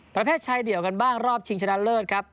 ประเภทชายเดี่ยวกันบ้างรอบชิงชนะเลิศครับ